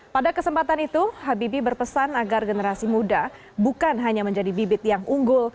pada kesempatan itu habibi berpesan agar generasi muda bukan hanya menjadi bibit yang unggul